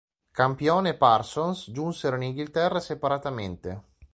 Campion e Parsons giunsero in Inghilterra separatamente.